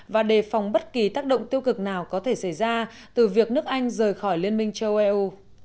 và đề phòng bất kỳ tác động tiêu cực nào có thể xảy ra từ việc nước anh rời khỏi liên minh châu âu eu